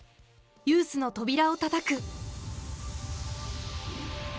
ユースの扉をたたく。